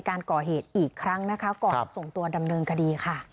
โปรดติดตามตอนต่อไป